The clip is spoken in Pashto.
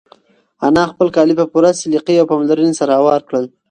انا خپل کالي په پوره سلیقې او پاملرنې سره هوار کړل.